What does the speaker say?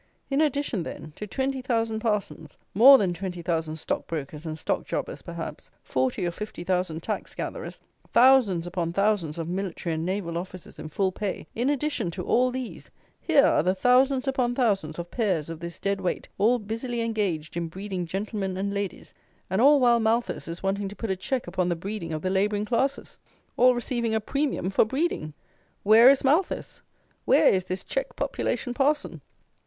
In addition, then, to twenty thousand parsons, more than twenty thousand stock brokers and stock jobbers perhaps; forty or fifty thousand tax gatherers; thousands upon thousands of military and naval officers in full pay; in addition to all these, here are the thousands upon thousands of pairs of this Dead Weight, all busily engaged in breeding gentlemen and ladies; and all while Malthus is wanting to put a check upon the breeding of the labouring classes; all receiving a premium for breeding! Where is Malthus? Where is this check population parson?